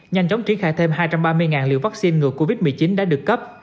nhanh chóng triển khai thêm hai trăm ba mươi liều vaccine ngừa covid một mươi chín đã được cấp